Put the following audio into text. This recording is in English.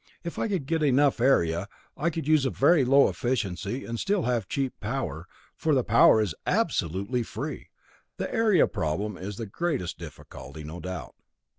If I could get enough area, I could use a very low efficiency and still have cheap power, for the power is absolutely free. The area problem is the greatest difficulty, no doubt."